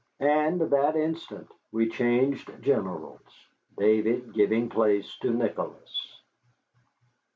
And that instant we changed generals, David giving place to Nicholas.